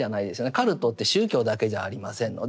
カルトって宗教だけじゃありませんので。